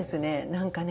何かね